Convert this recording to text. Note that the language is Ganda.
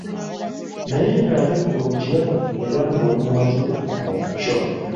Naye ng'ate ggwe okiraba era ng'oli mumativu mu kyo.